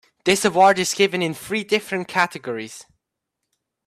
This award is given in three different categories.